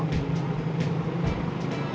temennya cewek apa cowok